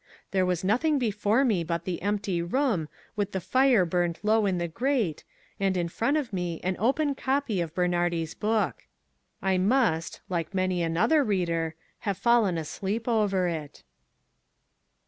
There was nothing before me but the empty room with the fire burned low in the grate, and in front of me an open copy of Bernhardi's book. I must, like many another reader, have fallen asleep over it.